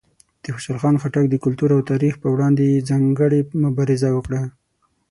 د خوشحال خان خټک د کلتور او تاریخ پر وړاندې یې ځانګړې مبارزه وکړه.